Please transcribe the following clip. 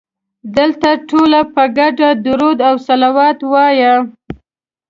دلته ټولو په ګډه درود او صلوات وایه.